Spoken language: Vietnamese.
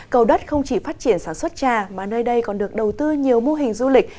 cầu đất không chỉ phát triển sản xuất trà mà nơi đây còn được đầu tư nhiều mô hình du lịch